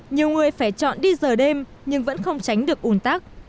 nhiều người phải chọn đi giờ đêm nhưng vẫn không tránh được ủn tắc